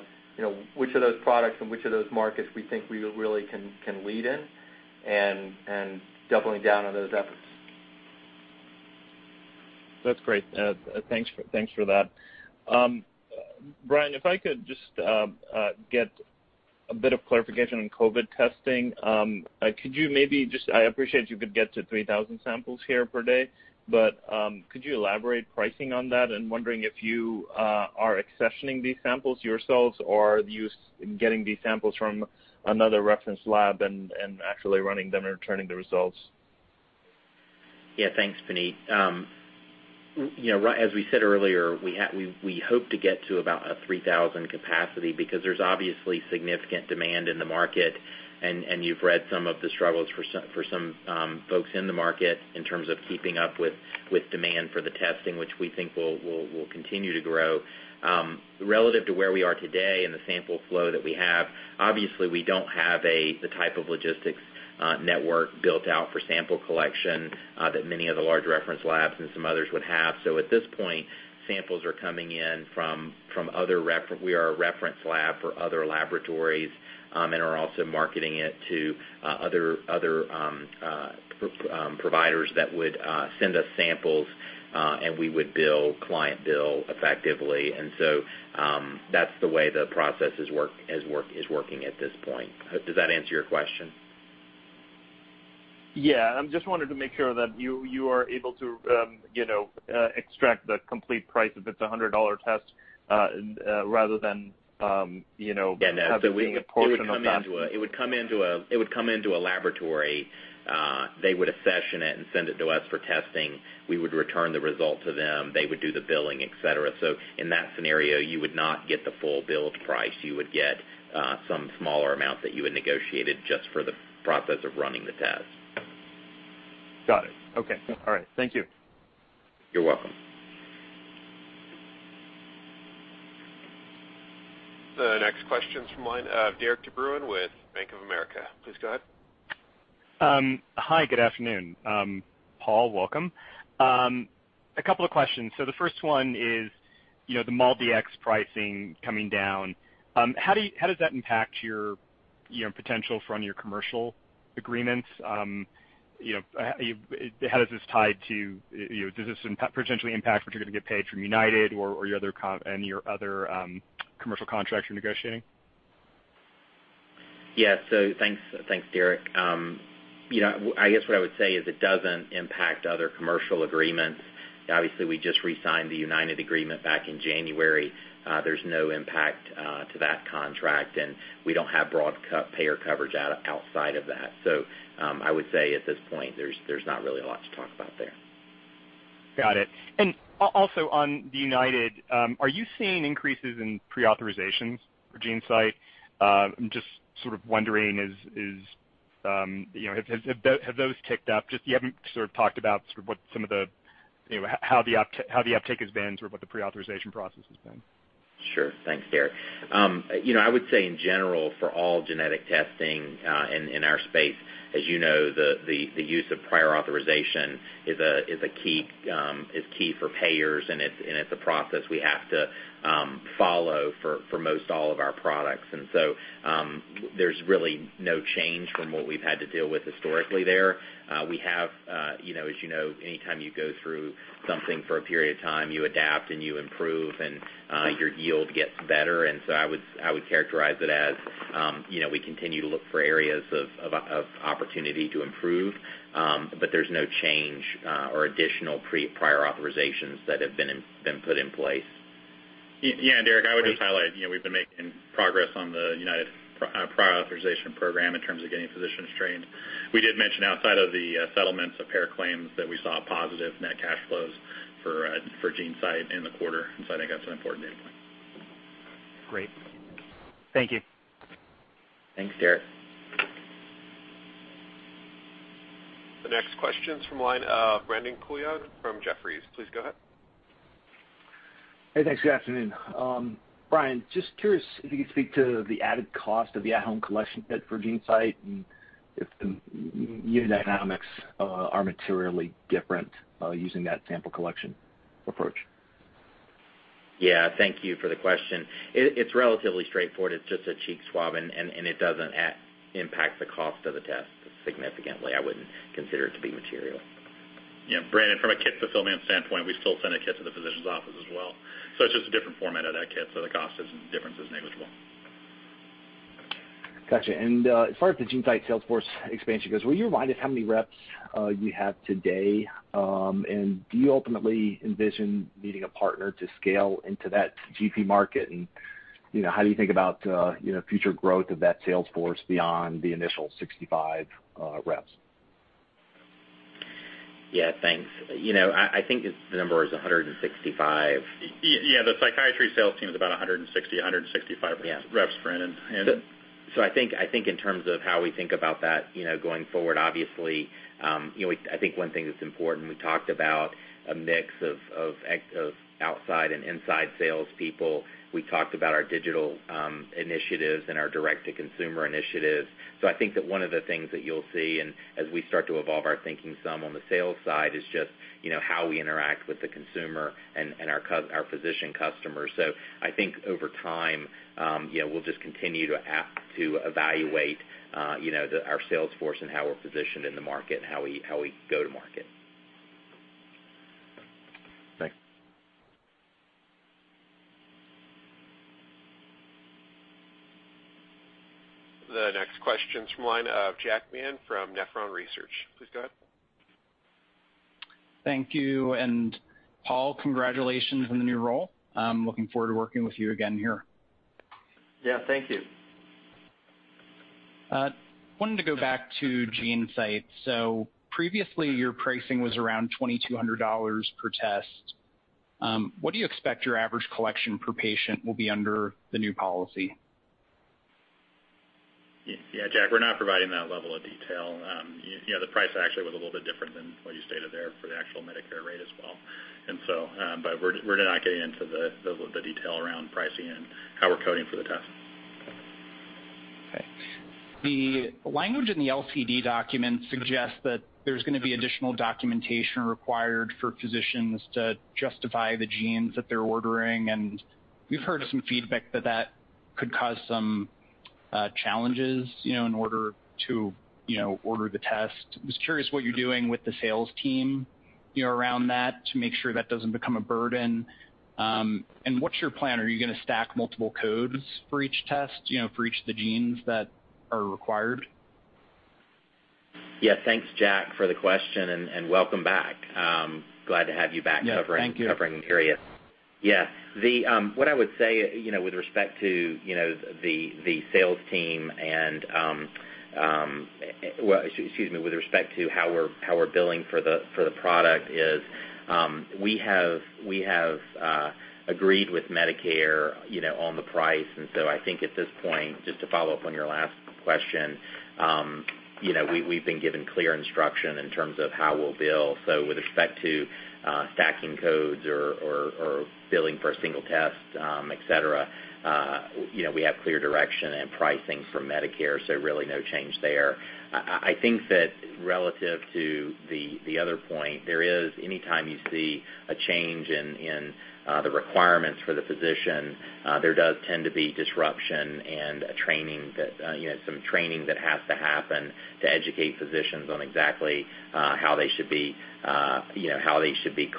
[SPEAKER 4] which of those products and which of those markets we think we really can lead in and doubling down on those efforts.
[SPEAKER 9] That's great. Thanks for that. Bryan, if I could just get a bit of clarification on COVID testing. I appreciate you could get to 3,000 samples here per day, but could you elaborate pricing on that? I'm wondering if you are accessioning these samples yourselves, or are you getting these samples from another reference lab and actually running them and returning the results?
[SPEAKER 3] Yeah. Thanks, Puneet. As we said earlier, we hope to get to about a 3,000 capacity because there's obviously significant demand in the market, and you've read some of the struggles for some folks in the market in terms of keeping up with demand for the testing, which we think will continue to grow. Relative to where we are today and the sample flow that we have, obviously we don't have the type of logistics network built out for sample collection that many of the large reference labs and some others would have. At this point, samples are coming in. We are a reference lab for other laboratories and are also marketing it to other providers that would send us samples, and we would bill, client bill effectively. That's the way the process is working at this point. Does that answer your question?
[SPEAKER 9] Yeah. I just wanted to make sure that you are able to extract the complete price if it's a $100 test, rather than-
[SPEAKER 3] Yeah, no.
[SPEAKER 9] having a portion of that.
[SPEAKER 3] It would come into a laboratory, they would accession it and send it to us for testing. We would return the result to them. They would do the billing, et cetera. In that scenario, you would not get the full billed price. You would get some smaller amount that you had negotiated just for the process of running the test.
[SPEAKER 9] Got it. Okay. All right. Thank you.
[SPEAKER 3] You're welcome.
[SPEAKER 1] The next question's from the line of Derik De Bruin with Bank of America. Please go ahead.
[SPEAKER 10] Hi, good afternoon. Paul, welcome. A couple of questions. The first one is, the MolDX pricing coming down. How does that impact your potential from your commercial agreements? Does this potentially impact what you're going to get paid from United and your other commercial contracts you're negotiating?
[SPEAKER 3] Thanks, Derik. I guess what I would say is it doesn't impact other commercial agreements. Obviously, we just resigned the United agreement back in January. There's no impact to that contract, and we don't have broad payer coverage outside of that. I would say at this point, there's not really a lot to talk about there.
[SPEAKER 10] Got it. Also on the United, are you seeing increases in pre-authorizations for GeneSight? I'm just sort of wondering, have those ticked up? Just you haven't sort of talked about how the uptake has been, sort of what the pre-authorization process has been.
[SPEAKER 3] Sure. Thanks, Derik. I would say in general for all genetic testing in our space, as you know, the use of prior authorization is key for payers, and it's a process we have to follow for most all of our products. There's really no change from what we've had to deal with historically there. As you know, any time you go through something for a period of time, you adapt and you improve, and your yield gets better. I would characterize it as we continue to look for areas of opportunity to improve. There's no change or additional prior authorizations that have been put in place.
[SPEAKER 2] Yeah, Derik, I would just highlight, we've been making progress on the United prior authorization program in terms of getting physicians trained. We did mention outside of the settlements of payer claims that we saw positive net cash flows for GeneSight in the quarter. I think that's an important data point.
[SPEAKER 10] Great. Thank you.
[SPEAKER 3] Thanks, Derik.
[SPEAKER 1] The next question's from the line of Brandon Couillard from Jefferies. Please go ahead.
[SPEAKER 11] Hey, thanks. Good afternoon. Bryan, just curious if you could speak to the added cost of the at-home collection kit for GeneSight, and if the unit economics are materially different using that sample collection approach.
[SPEAKER 3] Yeah. Thank you for the question. It's relatively straightforward. It's just a cheek swab, and it doesn't impact the cost of the test significantly. I wouldn't consider it to be material.
[SPEAKER 2] Yeah, Brandon, from a kit fulfillment standpoint, we still send a kit to the physician's office as well. It's just a different format of that kit. The cost difference is negligible.
[SPEAKER 11] Got you. As far as the GeneSight sales force expansion goes, will you remind us how many reps you have today? Do you ultimately envision needing a partner to scale into that GP market? How do you think about future growth of that sales force beyond the initial 65 reps?
[SPEAKER 3] Yeah, thanks. I think the number is 165.
[SPEAKER 2] Yeah. The psychiatry sales team is about 160, 165 reps, Brandon.
[SPEAKER 3] I think in terms of how we think about that going forward, obviously, I think one thing that's important, we talked about a mix of outside and inside salespeople. We talked about our digital initiatives and our direct-to-consumer initiatives. I think that one of the things that you'll see, and as we start to evolve our thinking some on the sales side, is just how we interact with the consumer and our physician customers. I think over time, we'll just continue to evaluate our sales force and how we're positioned in the market and how we go to market.
[SPEAKER 11] Thanks.
[SPEAKER 1] The next question's from the line of Jack Meehan from Nephron Research. Please go ahead.
[SPEAKER 12] Thank you. Paul, congratulations on the new role. I'm looking forward to working with you again here.
[SPEAKER 4] Yeah, thank you.
[SPEAKER 12] I wanted to go back to GeneSight. Previously, your pricing was around $2,200 per test. What do you expect your average collection per patient will be under the new policy?
[SPEAKER 2] Yeah, Jack, we're not providing that level of detail. The price actually was a little bit different than what you stated there for the actual Medicare rate as well. We're not getting into the detail around pricing and how we're coding for the test.
[SPEAKER 12] Okay. The language in the LCD document suggests that there's going to be additional documentation required for physicians to justify the genes that they're ordering, and we've heard some feedback that that could cause some challenges in order to order the test. I was curious what you're doing with the sales team around that to make sure that doesn't become a burden. What's your plan? Are you going to stack multiple codes for each test, for each of the genes that are required?
[SPEAKER 3] Yeah. Thanks, Jack, for the question, and welcome back. Glad to have you back.
[SPEAKER 12] Yeah, thank you
[SPEAKER 3] covering the period. Yeah. What I would say with respect to how we're billing for the product is, we have agreed with Medicare on the price. I think at this point, just to follow up on your last question, we've been given clear instruction in terms of how we'll bill. With respect to stacking codes or billing for a single test, et cetera, we have clear direction and pricing from Medicare, so really no change there. I think that relative to the other point, there is anytime you see a change in the requirements for the physician, there does tend to be disruption and some training that has to happen to educate physicians on exactly how they should be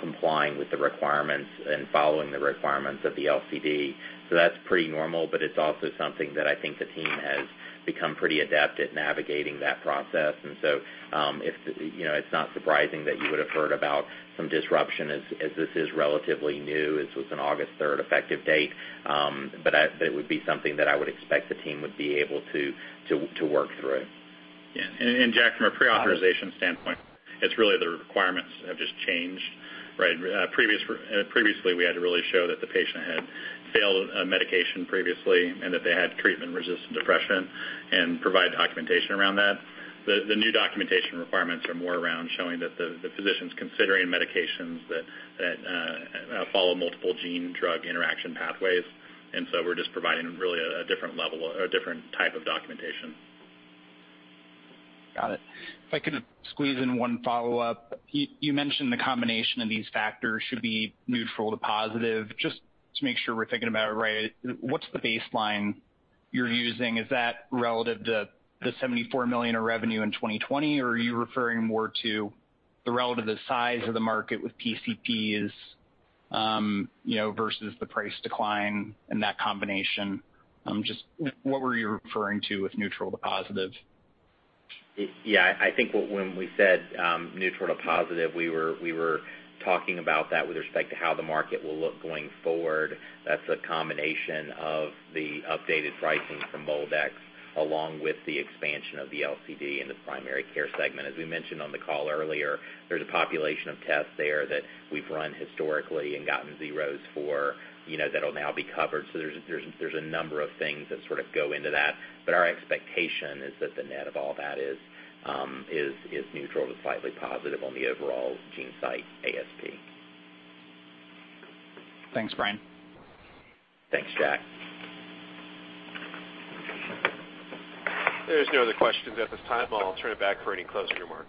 [SPEAKER 3] complying with the requirements and following the requirements of the LCD. That's pretty normal, but it's also something that I think the team has become pretty adept at navigating that process. It's not surprising that you would have heard about some disruption as this is relatively new. This was an August 3rd effective date. It would be something that I would expect the team would be able to work through.
[SPEAKER 2] Yeah. Jack, from a pre-authorization standpoint, it's really the requirements have just changed, right. Previously, we had to really show that the patient had failed a medication previously and that they had treatment-resistant depression and provide documentation around that. The new documentation requirements are more around showing that the physician's considering medications that follow multiple gene drug interaction pathways. So we're just providing really a different type of documentation.
[SPEAKER 12] Got it. If I could squeeze in one follow-up. You mentioned the combination of these factors should be neutral to positive. Just to make sure we're thinking about it right, what's the baseline you're using? Is that relative to the $74 million of revenue in 2020, or are you referring more to the relative size of the market with PCPs versus the price decline and that combination? Just what were you referring to with neutral to positive?
[SPEAKER 3] I think when we said neutral to positive, we were talking about that with respect to how the market will look going forward. That's a combination of the updated pricing from MolDX along with the expansion of the LCD in the primary care segment. As we mentioned on the call earlier, there's a population of tests there that we've run historically and gotten zeroes for that'll now be covered. There's a number of things that sort of go into that, but our expectation is that the net of all that is neutral to slightly positive on the overall GeneSight ASP.
[SPEAKER 12] Thanks, Bryan.
[SPEAKER 3] Thanks, Jack.
[SPEAKER 1] There's no other questions at this time. I'll turn it back for any closing remarks.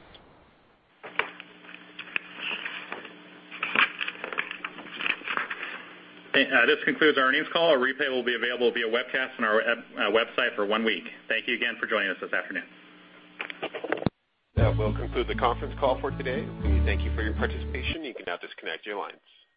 [SPEAKER 2] This concludes our earnings call. A replay will be available via webcast on our website for one week. Thank you again for joining us this afternoon.
[SPEAKER 1] That will conclude the conference call for today. We thank you for your participation. You can now disconnect your lines.